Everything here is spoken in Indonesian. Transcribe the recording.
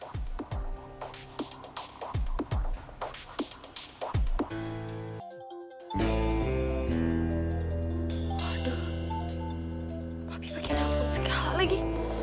aduh papi pake telepon segala lagi